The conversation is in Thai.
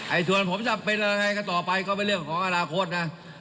ส่วนผมจะเป็นอะไรกันต่อไปก็เป็นเรื่องของอนาคตนะ